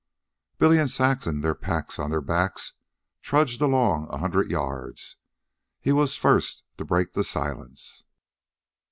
Billy and Saxon, their packs upon the backs, trudged along a hundred yards. He was the first to break silence.